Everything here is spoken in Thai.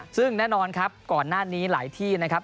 ซึ่งแน่นอนครับก่อนหน้านี้หลายที่นะครับ